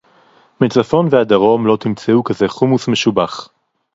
מצפון ועד דרום לא תמצאו כזה חומוס משובח